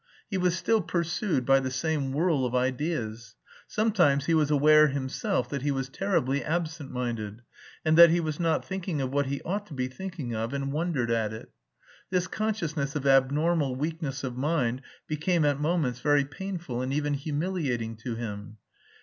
He was still pursued by the same whirl of ideas. Sometimes he was aware himself that he was terribly absent minded, and that he was not thinking of what he ought to be thinking of and wondered at it. This consciousness of abnormal weakness of mind became at moments very painful and even humiliating to him.